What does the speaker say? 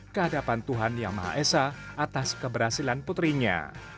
kehadapan tuhan yang maha esa atas keberhasilan putrinya